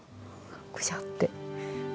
くしゃって。